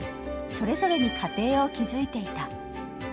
それぞれに家庭を築いていた。